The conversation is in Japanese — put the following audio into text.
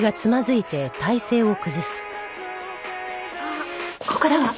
あっここだわ。